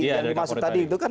dari kapolri tadi